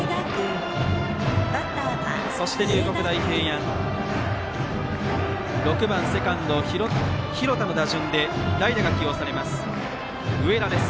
そして龍谷大平安６番セカンド、廣田の打順で植田が代打が起用されます。